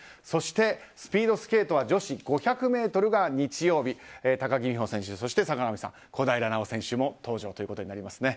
そしてスピードスケートは女子５００ｍが日曜日、高木美帆選手そして坂上さん、小平奈緒選手も登場となります。